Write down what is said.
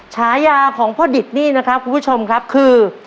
ฉายาของพ่อดิตนี่นะครับคุณผู้ชมครับคือ